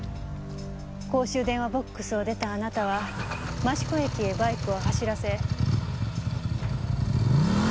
公衆電話ボックスを出たあなたは益子駅へバイクを走らせ。